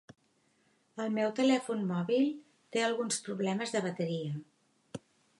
El meu telèfon mòbil té alguns problemes de bateria.